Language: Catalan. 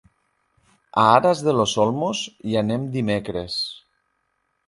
A Aras de los Olmos hi anem dimecres.